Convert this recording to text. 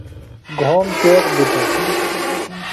گھوم تیغ دِتوۡ۔